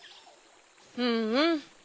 うんうん。